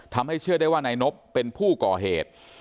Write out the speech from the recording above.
เชื่อได้ว่านายนบเป็นผู้ก่อเหตุ